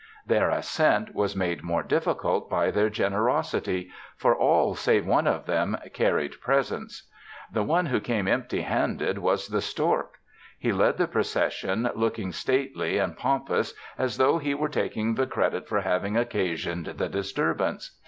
Their ascent was made more difficult by their generosity, for all save one of them carried presents. The one who came empty handed was the stork. He led the procession looking stately and pompous, as though he were taking the credit for having occasioned the disturbance.